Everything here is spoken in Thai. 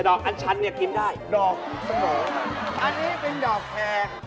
ดอกของนี่กินไม่ได้หรอกลูก